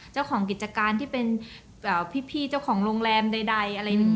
เจ้าของกิจการที่เป็นพี่เจ้าของโรงแรมใด